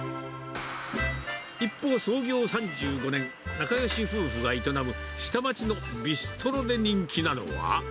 一方、創業３５年、仲よし夫婦が営む、下町のビストロで人気なのは。